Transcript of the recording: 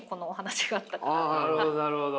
なるほどなるほど。